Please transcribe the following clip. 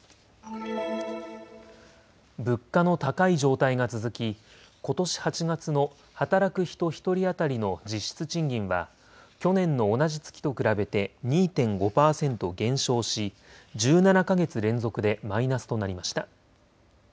物価の高い状態が続き、ことし８月の働く人１人当たりの実質賃金は去年の同じ月と比べて２．５％減少し、１７か月連続でマイナスとなりました。